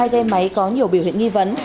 hai ghe máy có nhiều biểu hiện nghi vấn